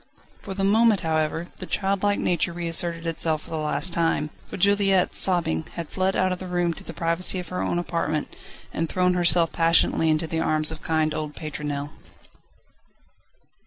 For the moment, however, the childlike nature reasserted itself for the last time, for Juliette, sobbing, had fled out of the room, to the privacy of her own apartment, and thrown herself passionately into the arms of kind old Pétronelle.